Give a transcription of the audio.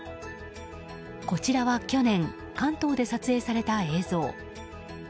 こちらは去年関東で撮影された映像。